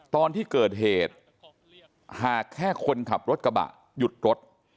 ตอนที่เกิดเหตุหากแค่คนขับรถกระบะหยุดรถ